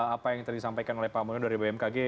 apa yang tadi disampaikan oleh pak munir dari bmkg